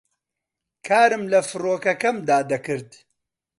کارم لە فڕۆکەکەمدا دەکرد